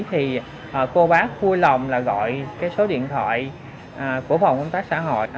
thì cô bác vui lòng là gọi cái số điện thoại của phòng công tác xã hội